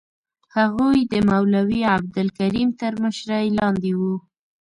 هغوی د مولوي عبدالکریم تر مشرۍ لاندې وو.